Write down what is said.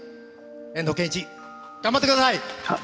遠藤憲一。頑張ってください。